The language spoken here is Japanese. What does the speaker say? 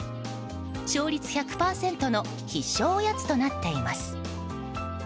勝率１００％の必勝おやつとなっています。